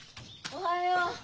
おはよう！